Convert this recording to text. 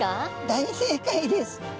大正解です。